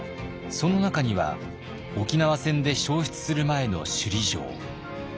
その中には沖縄戦で焼失する前の首里城。